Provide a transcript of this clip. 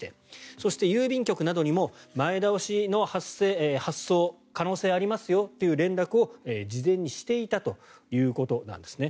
そして、郵便局などにも前倒しの発送の可能性があると連絡を事前にしていたということです。